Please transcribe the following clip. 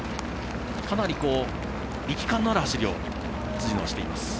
かなり、力感のある走りを辻野はしています。